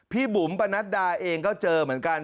บุ๋มปนัดดาเองก็เจอเหมือนกัน